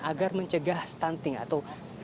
agar mencegah stunting atau